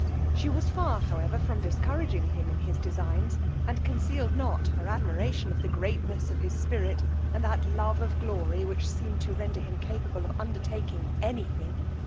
She was far, however, from discouraging him in his designs, and concealed not her admiration of the greatness of his spirit, and that love of glory which seemed to render him capable of undertaking any thing.